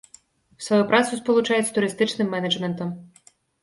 Сваю працу спалучаюць з турыстычным менеджментам.